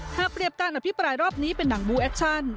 หากเปรียบการอภิปรายรอบนี้เป็นหนังบูแอคชั่น